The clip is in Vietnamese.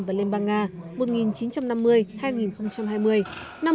và liên bang nga một nghìn chín trăm năm mươi hai nghìn hai mươi